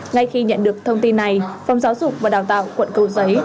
ngay khi nhận được thông tin này phòng giáo dục và đào tạo quận cầu giấy